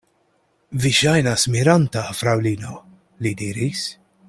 Vi ŝajnas miranta, fraŭlino, li diris.